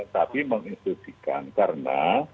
tapi menginsultifikan karena